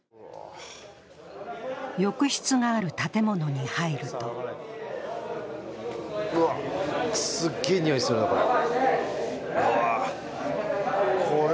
浴室がある建物に入るとうわ、すげぇにおいがするな、これ。